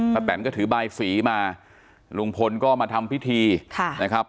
แตนก็ถือบายสีมาลุงพลก็มาทำพิธีค่ะนะครับ